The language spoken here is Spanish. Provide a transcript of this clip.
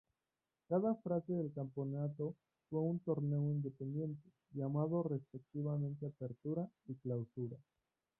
Cada fase del campeonato fue un torneo independiente, llamados respectivamente Apertura y Clausura.